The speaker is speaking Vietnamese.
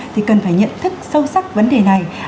thì cần phải nhận thức sâu sắc vấn đề này